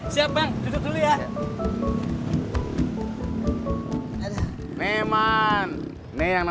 si kak asman kagak kenal sama lo